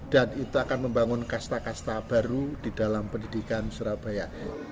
dan itu akan membangun kasta kasta baru di dalam pendidikan surabaya